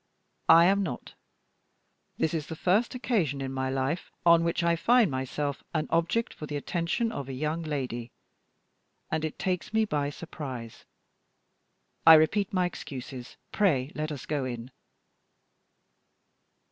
I am not. This is the first occasion in my life on which I find myself an object for the attention of a young lady, and it takes me by surprise. I repeat my excuses; pray let us go in."